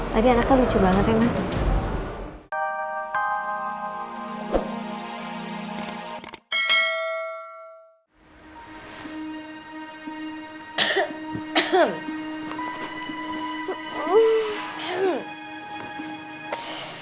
tadi anaknya lucu banget ya mas